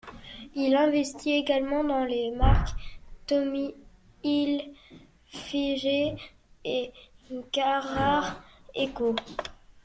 Il investit également dans les marques Tommy Hilfiger et Garrard & Co.